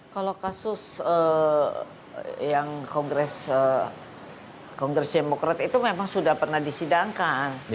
kalau kasus yang kongres demokrat itu memang sudah pernah disidangkan